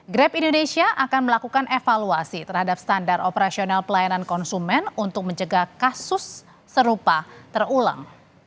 grab indonesia akan melakukan evaluasi terhadap standar operasional pelayanan konsumen untuk mencegah kasus serupa terulang